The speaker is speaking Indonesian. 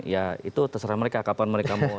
ya itu terserah mereka kapan mereka mau